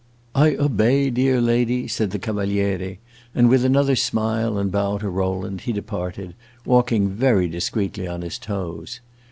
"I obey, dear lady," said the Cavaliere; and with another smile and bow to Rowland he departed, walking very discreetly on his toes.